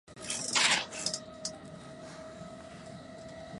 友達と美味しいランチを楽しんだ。